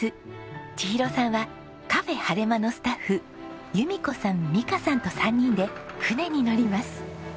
千尋さんはカフェはれまのスタッフ由美子さん美佳さんと３人で船に乗ります。